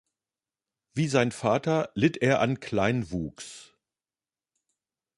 Wie sein Vater litt er an Kleinwuchs.